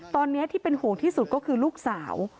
ตอนนี้ที่เป็นห่วงที่สุดก็คือลูกสาว